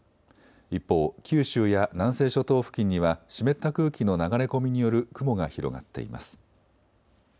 一方、九州や南西諸島付近には湿った空気の流れ込みによる雲が広がっています。